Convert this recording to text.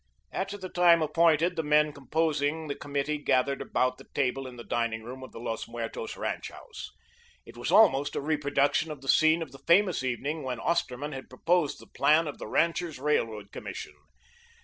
At the time appointed, the men composing the Committee gathered about the table in the dining room of the Los Muertos ranch house. It was almost a reproduction of the scene of the famous evening when Osterman had proposed the plan of the Ranchers' Railroad Commission.